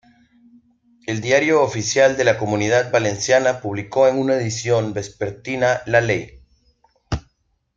El Diario Oficial de la Comunidad Valenciana publicó en una edición vespertina la ley.